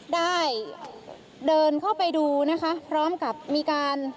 ได้เดินเข้าไปดูนะคะพร้อมกับมีการ